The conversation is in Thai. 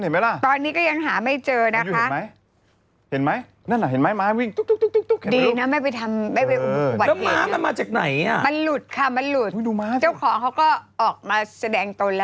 มาอยู่ดูม้ามาอยู่ดูม้านี่ลูกเห็นไหม